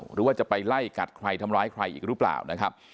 หรือว่าจะไปไล่กัดใครทำร้ายใครอีกหรือเปล่านะครับ